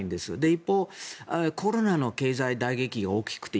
一方、コロナの経済打撃が大きくて。